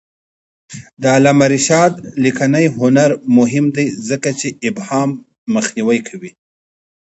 د علامه رشاد لیکنی هنر مهم دی ځکه چې ابهام مخنیوی کوي.